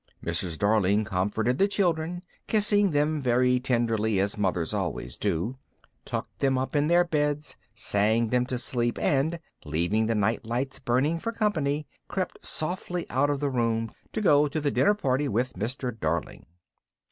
Mrs. Darling comforted the children, kissing them very tenderly as mothers always do, tucked them up in their beds, sang them to sleep and, leaving the night lights burning for company, crept softly out of the room to go to the dinner party with Mr. Darling.